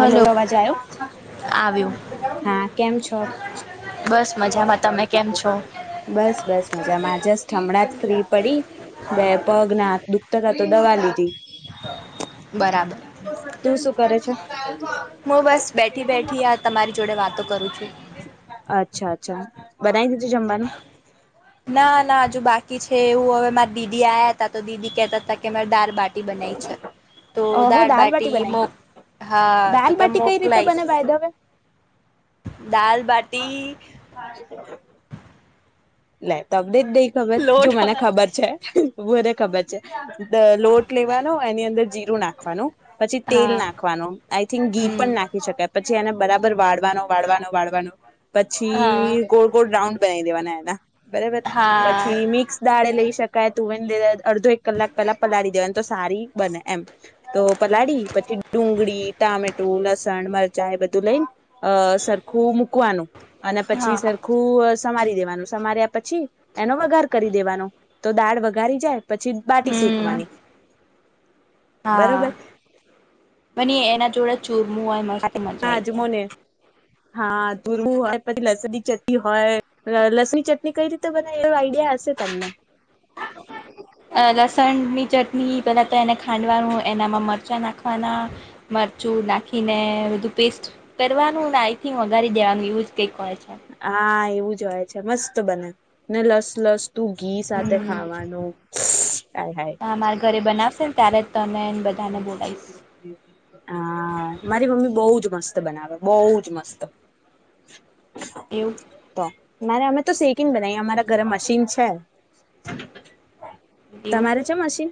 Hello અવાજ આયો આવ્યું હા કેમ છો, બસ મજામાં તમે કેમ છો બસ બસ મજામાં જ જસ્ટ હમણાં. ફ્રી પડી બે પગ ના હાથ દુઃખતા તો દવા લીધી. બરાબર તું શું કરે છે. હું બસ બેઠી બેઠી આ તમારી જોડે વાતો કરું છું. બરા. ના ના હજુ બાકી છે એવું હવે મારા દીદી આ્યા હતા તો દીદી કેતા ત કે મે ડર બા બના છે તો દાળ બાટી હા. તો કે દાલબટી કઈ રીતે મોકલાઈશ બને ભાઈ દવે. દાલ બાટી. ના ત દ દઈ ખબર જો લોટ મને હા ખબર છે. વધને ખબર છે લોટ લેવાનો એની અંદર જીરું નાખવાનું. પછી તેલ નાખવાનું આઈ થિંક ઘી પણ હમ નાખી શકે. પછી એને બરાબર વાળવાનો વાળવાનો વાળવાનો. હા પછી ગોળ ગોળ રાઉન્ડ બે દવાનાના. બરાબર હા પછી મિક્સ દાળે લઈ શકે. કય તુંવેનેે અડધો એક કલાક પેલા પલાળી દેવાને તો સારી બને એમ તો. પલાળ પછી ડુંગળી ટામેટું. લસણ, મરચા એ બધું લઈને અ સરખું મૂકવાનું. અને પછી હા સરખું. સમારી દેવાનું. સમાર્યા પછી. એનો વગાર કરી દેવાનો. તો દાળ વગારી જાય. પછી બાટી હમ શેકવાની. બરોબર હા બની એના જોડે. મુુંવાજ મસ્ત મજા આવીઈ જાય. આજમો ને હા દુરવું હોય પછી લસની ચટણી હોય લ લસની ચટણી કઈ રીતે બના એવ આઈડિયા હશે તમને. અ લસણની ચટણી પેલા તો એને ખાંડવાનું એનામાં મરચાં નાખવાના મરચું નાખીને બધું પેસ્ટ કરવાનું ને આઈથી વઘારી દેવાનું યુજ કઈકય હોય છે. હા એ. જય છે મસ્ત બને ને લસ લસ તું ઘી સાથે હમ. ખાવાનું મારા ઘરે બનાવશે ને ત્યારે જ તને બધાને બોલાવીશ હા મારી મમ્મી બહ જ મસ્ત મ બનાવે બહ જ મસ્ત. એવું નારે અમે તો સેકીને બનાવીએ અમારા ઘરે મશીન છે. એવું તમારે છે મશીન.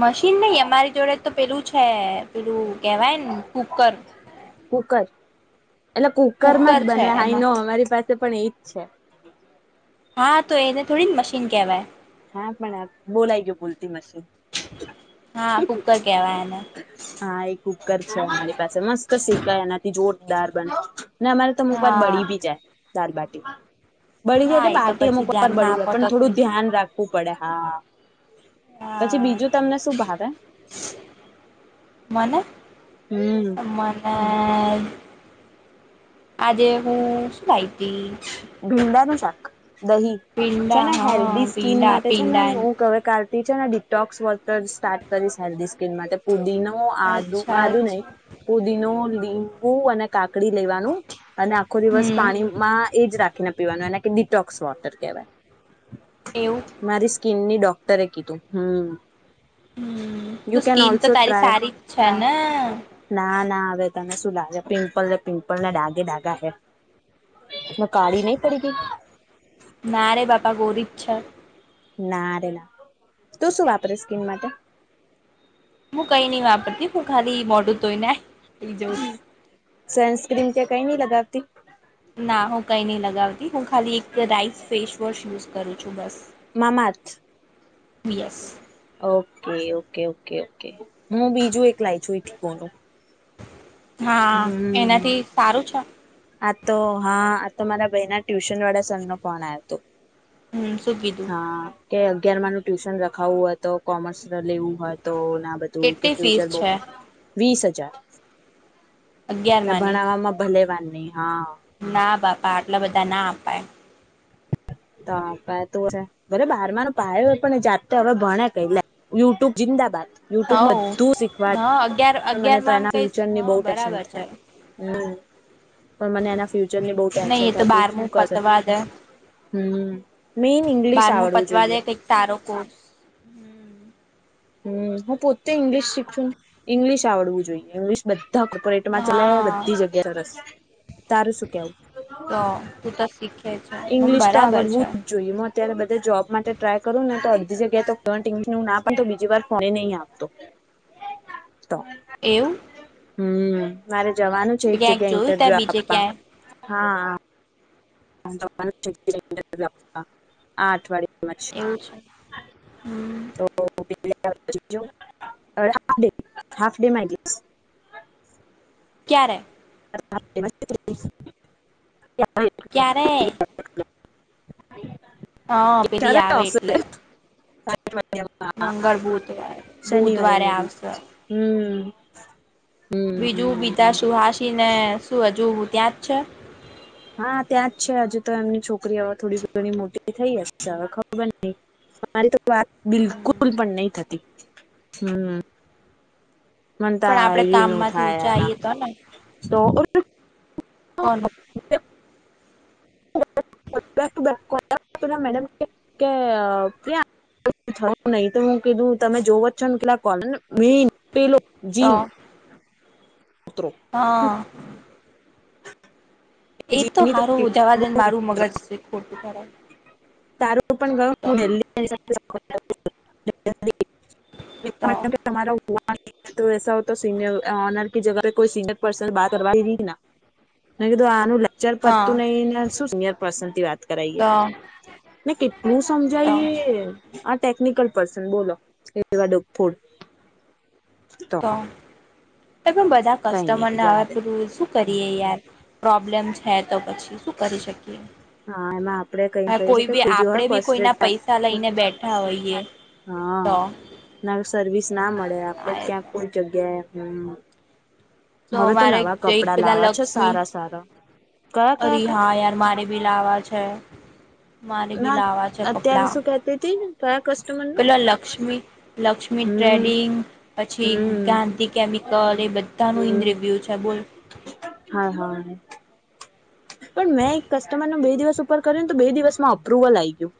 મશીન નહી અમારી જોડે તો પેલું છે પેલું કહેવાય કુકર કુકર એટલે કુકર માં જ છે બને હાઈ ન એમાં અમારી પાસે પણ એજ છે. હા તો એને થોડી મશીન કહેવાય. હા પણ આપ બોલાઈ ગયો ભૂલતી મ હા કુકર કેહેવાય એને હા એક કકર છે અમારી પાસે મસ્ત શી કયાના જોરદાર બને. ને અમારે તો અમુક વાર હા બળી ભી જાય ચારબ [inaudible] બળી જાય હા એટલે એ તો બાારટી પછી અમુક વાર ધ્યાન ના બળી જાય આપો પણ તો થઈ થોડું જાય ધ્યાન રાખ. પડે હા. પછી હા બીજું તમને શું ભાવે હમ અમા હ અ આજે હું શું લાઈ ભીંડા ન શાક દહી છે પીંડા ને હા હેલ્ધી સ્કીિન પીંડા માટે છે ને પીંડા હું ક તેના ડટોક્સ વર સ્ટાર્ટ કરી પુદીનો આદુ અચ્છા આદુ નહી અચ્છા પુદી ન લીંબુ અને કાકડી લેવાનું અને આખો દિવસ હમ પાણીમાં એ જ રાખીને પીવાનું એના કે ડિટોક્સ વોટર એવું કહેવાય મારી સ્કીિનની ડો ભક્તરે કીધું હમ હમ યુ તું કેન સ્કીન તો ઓલ્સો તારી ટ્રાય સારી જ છે ને ના ના હવે તને શું લાગે પિમ્પલ ને પિમ્પલ ને ડાગી ડાગા છે એ કાળી નહી પડેગ ના રે બાપા ગોરીછ નારેલા તું શું વાપરે સ્કીન માટે હું કઈ નહી વાપરતી હું ખાલી મોટું તોઈના સનસ્ક્રીમ છે કઈ નહી લગાવતી ના હું કઈ નહી લગાવતી હું ખાલી એક રાઈસ ફેસવોશ યુઝ કરું છું બસ. મામા જ. Yes. Okay okay okay okay હું બીજું એક લાવ છું લુંનું. હા એનાથી સારું છે. તમારા ભાઈ ના ટ્યુશન વાળા સર નો ફોન આવ્યો હતો. હમ સુગીધું. હા કે અગિયાર મા નું ટ્યુશન રખાવવું હોય તો કોમર્સ લેવું હોય તો. ના બધું કે કેટલી ફીસ ફ્યુચર બ. છે વીસ હજાર. ના અગિયારમાંની ભણાવવામાં ભલેવાની. ના બાપા આટલા બધા ના. પાાય. તો તો ભલે બાર ન પાય હોય પણ જાતે હવે ભણે ક યુટ્યુબ જિંદાબાદ. યુટ્યુબ હવ બધું શીખવા હ અગિયાર પણ મને તો અગિયારમાં આમ એના કઈ ફ્યુચરની બ હ ટેન્શન બરાબર છે થાય હમ પણ મને એના ફ્યુચરની બ નહી ટેન્શન એ તો થાય કે શું બારમું કરે. પતવા દે હમ મેઈન ઇંગ્લિશ બારમું આવડવું પતવા દે જોઈએ. કઈક સારો કોર્સ હમ હું પોતે ઈંગ્લિશ શીખશું ઈંગ્લિશ આવડવું જોઈએ ઇંગ્લિશ બધ. બધા કોર્પોરેટમાં ચલા હા બધી જગ્યા સરસ. તારું શું કેવું તો તું તો શીખે છે મમ ઈંગ્લિશ તો બરાબર છે આવડવું જ જોઈએ અત્યારે બધા જોબ માટે ટ્રાય કરું ને તો બી જગ્યા તો ના. બજી વાર ફોણી નહી આવતો. એવું. હમ્મ મારે. જવાનું છે એક ક્યાંક જગ્યા જોયું ત્યાં ઇન્ટરવ્યુ બીજે આપવા. ક્યાંય હા. આ અઠવાડિ. એવું છે હમ તો. હાફે હાફ ડે મા. ક્યારે. [inaudible] ક્યારે [inaudible] હા પલી આવે વટલે. હા. મંગળ બુધવારે શનિવારે બુધવારે મે બી આવશે. [inaudible] બીજું બીધા હમ સુહાાસીને શું હજુ. ત્યાં જ છે? હા ત્યાં જ છે હજુ તો એમની છોકરી હવે થોડી ઘણી મોટી થઈ જ હવે ખબર નઇ અરી. વાત હમ બિલકુલ પણ નહી થતી. હમ્મ. પણ મનતા આપડે એવી ન કામમાંથી થાય ઊંચા એના આઈએ તો ને તો કોનું,? બેક [unintelligible] મેન પેલોલો તો જીન હા. એ તો જીની સારું જવા દેને કેટલું મારું વિચિત્ર મગજ છે ખોટું ખ તારું [inaudible] તું પણ ગ તો હું [inaudible] તમારા તો એસા હોતા સિનયર ઓનર કી જગહ કોઈ સીનિયર પર્સન બાત કરવા રહી. મેં કીધું આનું ચલ હા પત્તું નહી ને શું સિનિયર પ્રસતી વાત કરાઈએ તો અને કેટલું તો સમજાઈએ આ ટેકનિકલ પર્સન બોલો હવા એ એવા ડફોળ. તો ત બધા કઈ નઈ કસ્ટમર ને જવા આવ દે છું કરીએ યાર પ્રોબ્લેમ છે તો પછી શું કરી શકીએ. હા એમાં આપડે ક હવે કહી કોઈ શકી બી કુી હોય આપડે બી કોઈના પૈસા લઈને બેઠા હોઈએ હા તો ના સર્વિસ ના મળે આપડે ક્યાંક કોઈ જગ્યા હમ્મ તો મારે પેલા લક્ષ્મી સારા સારા કયા કયા ક અરીહા એન્ડ માણેકપુર બિલાવા છે મારે બી ના લાવવા છે અત્યારે કપડા શું કેતી હતી ને ત પેલા લક્ષ્મી લક્ષ્મી હમ ટ્રેડિંગ પછી હમ ગાંધી કેમિકલ એ બધાનું ઇ હમ રિવ્યુ છે બોલ હા હા પણ મેં એક કસ્ટમરન બે દિવસ ઉપર કર્યુંને તો બે દિવસમાં અપ્રુવલ આ ગયું.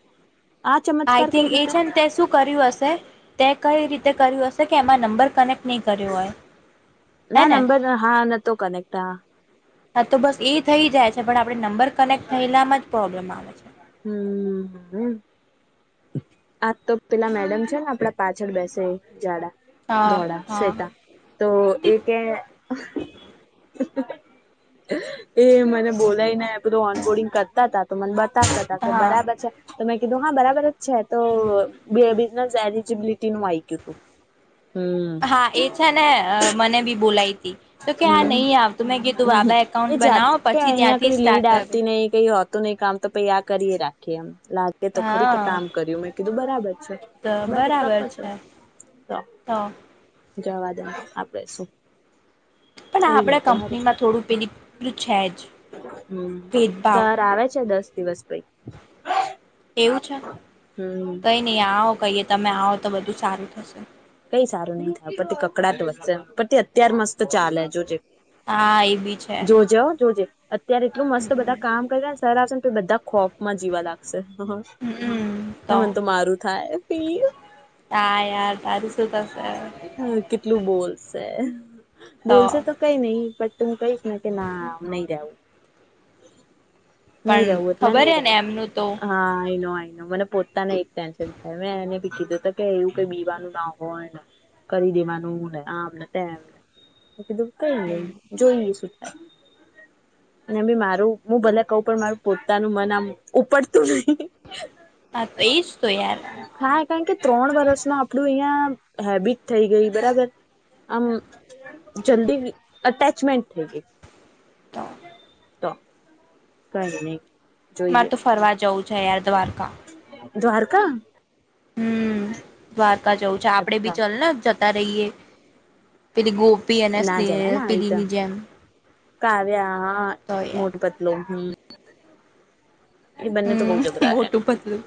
આ આઈ ચમત્કાર કઈ થિંક એ રીતે છે ને તે શું કર્યું હશે તે કઈ રીતે કર્યું હશે. કેમાં નંબર કનેક ના નંબર હા નતો કનેક્ટ હ હા તો બસ એ થઈ જાય છે પણ આપડે નંબર કનેક્ટ થયેલામાં જ પ્રોબ્લેમ આવે છે. હ આ તો પેલા મેડમ છે ને આપડા પાછળ બેસે એ જાડા હા ધોળ હા શ્વેતા તો એ કે એ મને બોલાયને કે જો ઓનોડિંગ કરતા હતા તો મન બત તા કે હા બરાબર છે તોમેતા કીધું હા બરાબર છેા તો બેબી એ જ એલિજિબિલિટીું આયક્યું હતું. હા એ છે ને અ મને બી બોલાયતી તો કે આ નહીં હમ આવતું મેં કીધું બાબા એ એકાઉન્ટ જાત બનાવો પછી અહિયાં ત્યાંથી કોઈ લીડ સ્ટાર્ટ પર આવતી નહી કે કઈ હોતું નહી કામ તો પહી આ કરીએ રાખીએ એમ. લાગે તો ખરી કે હા કામ કર્યું મેં કીધું બરાબર છે તો બરુ બરાબર પ્રોપર છે તો જવાદે આપડે શું. પણ આ થઈ જાય આપણા તો હારું કંપનીમાં થોડું પેલી પેલું છે જ હમ ભેદભાવ સર આવે છે દસ દિવસ પઈ એ અવુ છે. હમ કઈ નહી આ કહીએ તમે આવો તો બધું સારું થશે. કઈ સારું નહિ થાય પતી કકડાટ વધશે પતી અત્યારે મસ્ત ચાલે જોજે. હા એ બી છે. ત્યારે એટલું મસ્ત બધા કામ કરયા ત્યારે આવશે તો બધા ખોફમાં જીવા લાગશે. હ ને મને તો મારું થાય પીર હા યાર તારું શું થશે હ કેટલું બોલ. તે. બોલશે તો કઈ નહી પ તુમ કઈ કે ના નહી રહેવું. નઈ પણ રહે ઓદલા ખબર નઈ હ રહે ને એમનું તો હાનો. મને પોતાને એક ટેન્શન થાય મેં એને પીછીધું કે એવું કઈ બીવાનું ના હોયને કરી દેવાનું હું ને આમ ને તેમને કીધું કઈ નઈ જોઈએ સુ અને ભી મારું હું ભલે કહ પણ મારું પોતાનું મન આમ ઉપડતું જ નહી. હા તો એજ તો યાર હા કારણ કે ત્રણ વર્ષમાં આપ [inaudible] હેબિટ થઈ ગઈ બરાબર આમ જલ્દી અટેચમેન્ટ થઈ ગઈ. તો તો કઈ ની. માર તો ફરવા જવું છે યાર. અવાર [inaudible] દ્વારકા. હમ્મ, વાત કા જવું છે. આપડે બી અચ્છા ચલને જતા રહીએ. પેલી ગોપી અને ના જવાય ને સ્નેહ આવી રીતે પીલીની જેમ કાવ્યા હા તો યાર મોટ પતલો હમ એ બંને તો બહુ હમ જબરા એમ મોોટું પદલું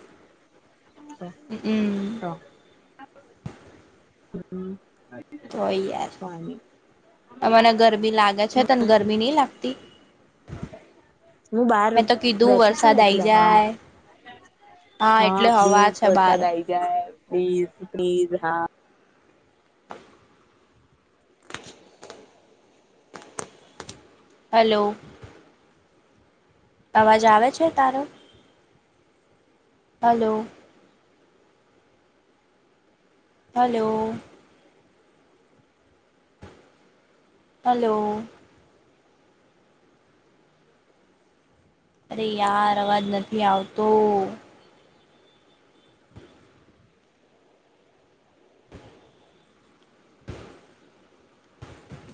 હમ હમ તોય યાર તને ગરમી લાગે છે તને ગરમી નહી લાગતી હું બહાર મેં તો કીધું બેઠી છું વરસાદ ને આઈ એટલે હા જાય માં હા એટલે હાડી હવા છે બાર વરસાદ આઈ જાય પ્લીઝ પ્લીઝ હા હેલો અવાજ આવે છે તારો? હેલો હલો હલો અરે યાર અવાજ નથી આવતો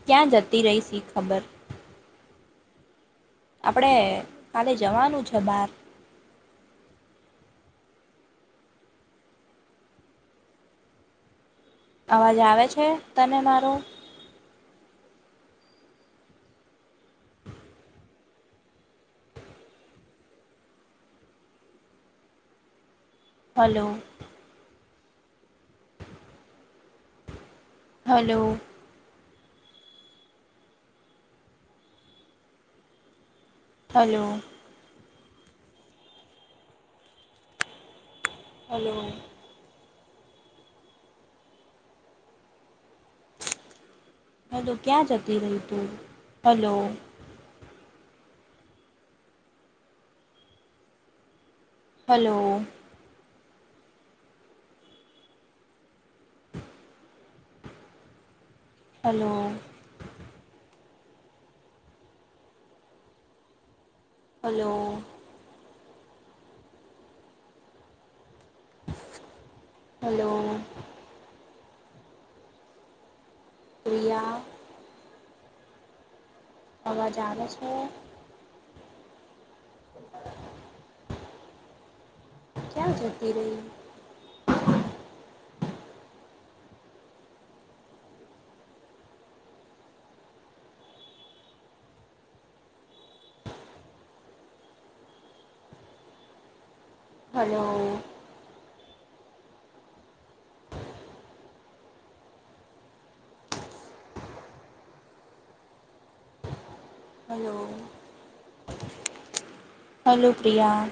ક્યાં જતી રહી સી ખબર આપડે કાલે જવાનું છે બાર અવાજ આવે છે તને મારો? Hello hello hello hello hello ક્યાં જતી રહી તું hello hello hello hello hello Priya અવાજ આવે છે? [inaudible] ક્યાં જતી રહી? Hello hello hello Priya